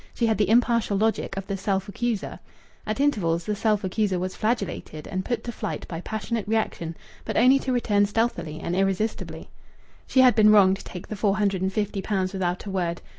She had the impartial logic of the self accuser. At intervals the self accuser was flagellated and put to flight by passionate reaction, but only to return stealthily and irresistibly.... She had been wrong to take the four hundred and fifty pounds without a word.